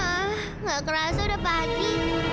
enggak kerasa udah pagi